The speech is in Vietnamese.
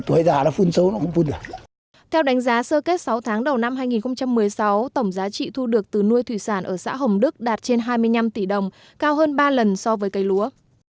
theo đánh giá sơ kết sáu tháng đầu năm hai nghìn một mươi sáu tổng giá trị thu được từ nuôi thủy sản ở xã hồng đức đạt trên hai mươi năm tỷ đồng cao hơn ba lần so với cây lúa